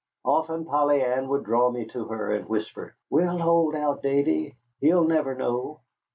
Often Polly Ann would draw me to her and whisper: "We'll hold out, Davy. He'll never know."